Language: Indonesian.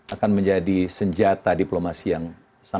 akan menjadi senjata diplomasi yang sangat